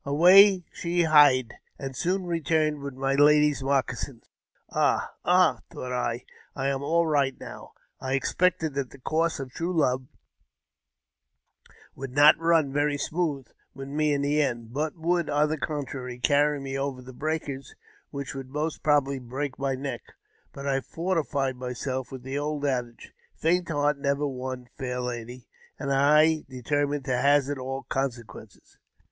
Away she hied, and soon returned with my lady's moccasins. Ah, ah ! thought I, I am all right now ! I expected that the course of true love would not run very smooth with me in the end, but would, on the contrary, carry me over breakers which would most probably break my neck ; but I fortified myself with the old adage, "Faint heart never won fair lady," and I determined to hazard all consequences.